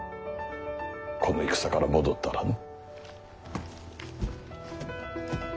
この戦から戻ったらの。